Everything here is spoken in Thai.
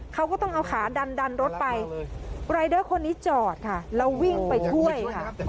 เขาก็ต้องเอาขาดันดันรถไปรายเดอร์คนนี้จอดค่ะแล้ววิ่งไปช่วยค่ะ